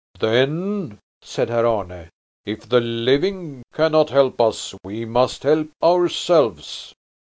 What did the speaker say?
Then said Herr Arne: "If the living cannot help us, we must help ourselves."